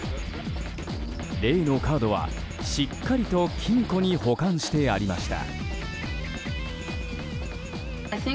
例のカードは、しっかりと金庫に保管してありました。